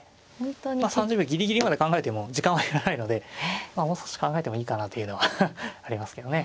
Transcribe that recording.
３０秒ギリギリまで考えても時間は減らないのでもう少し考えてもいいかなというのはありますけどね。